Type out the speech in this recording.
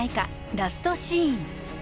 「ラストシーン」